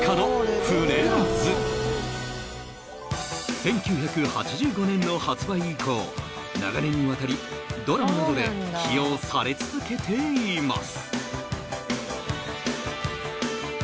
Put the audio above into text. １９８５年の発売以降長年にわたりドラマなどで起用され続けています